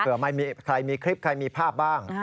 เพื่อไม่มีใครมีคลิปใครมีภาพบ้าง